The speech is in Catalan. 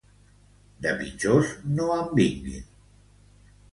De pitjors no en vinguin.